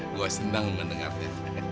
gue senang mendengarnya